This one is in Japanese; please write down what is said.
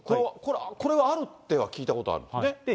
これはあるってことは聞いたことあるんですよね。